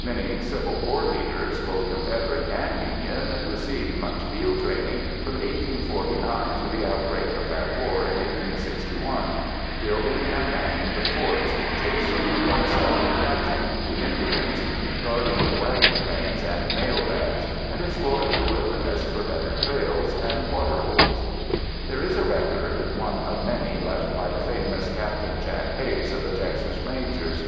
Many Civil War leaders, both Confederate and Union, received much field training from 1849 to the outbreak of that war in 1861, building and manning the forts, chasing, but seldom catching, the Indians, guarding the wagon trains and mail bags and exploring the wilderness for better trails and water holes. There is a record, one of many left by the famous Captain Jack Hays of the Texas Rangers.